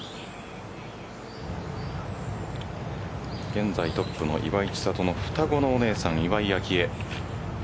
現在トップの岩井千怜の双子のお姉さん・岩井明愛。